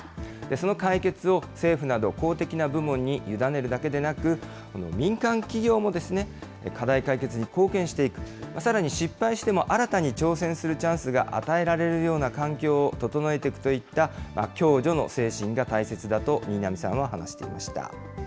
その解決を政府など、公的な部門に委ねるだけでなく、民間企業も課題解決に貢献していく、さらに失敗しても、新たに挑戦するチャンスが与えられるような環境を整えていくといった、共助の精神が大切だと新浪さんは話していました。